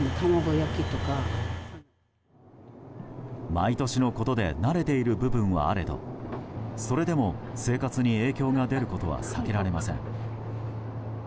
毎年のことで慣れている部分はあれどそれでも生活に影響が出ることは避けられません。